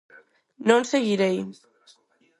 Non seguirei.